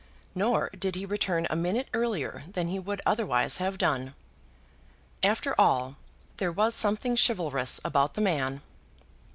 Nor did he return a minute earlier than he would otherwise have done. After all, there was something chivalrous about the man.